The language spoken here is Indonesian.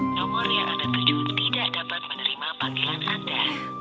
nomor yang ada tujuh tidak dapat menerima panggilan anda